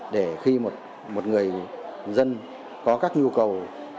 để khi một người dân có các nhu cầu